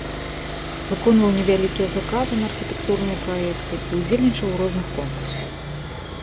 Выконваў невялікія заказы на архітэктурныя праекты і ўдзельнічаў у розных конкурсах.